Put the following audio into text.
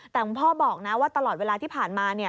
แต่คุณพ่อบอกนะว่าตลอดเวลาที่ผ่านมา